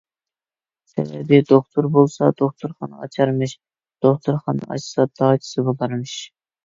سەۋەبى، دوختۇر بولسا دوختۇرخانا ئاچارمىش، دوختۇرخانا ئاچسا داچىسى بولارمىش.